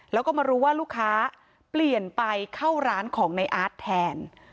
แล้วก็มารู้ว่าลูกค้าเปลี่ยนไปเข้าร้านของในอาร์ตแทน